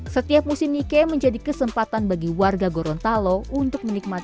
setiap musim nike menjadi kesempatan bagi warga gorontalo untuk menikmati